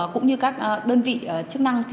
cũng như các đơn vị chức năng